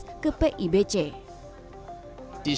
untuk membeli beras ke pibc